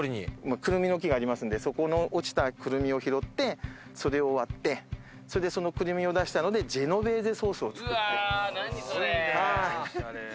くるみの木がありますので、そこで落ちたくるみを拾って、それを割って、それで、そのくるみを出したので、ジェノベーゼソースを作ります。